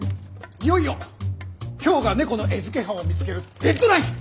いよいよ今日が猫の餌付け犯を見つけるデッドライン！